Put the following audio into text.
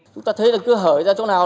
chúng ta thấy là cứ hở ra chỗ nào